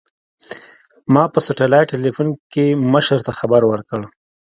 ما په سټلايټ ټېلفون کښې مشر ته خبر ورکړ.